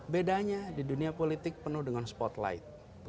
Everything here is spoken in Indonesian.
bedanya di dunia politik penuh dengan spotlight